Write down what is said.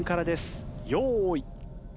用意。